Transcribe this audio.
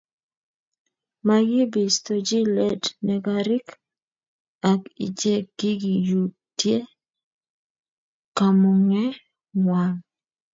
makibistochi let neranik ak ichek kikiyutie kamuge ng'wang'